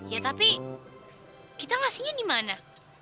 ya tapi kita ngasihnya di mana